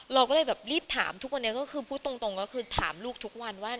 เราก็เลยแบบรีบถามทุกวันนี้ก็คือพูดตรงก็คือถามลูกทุกวันว่า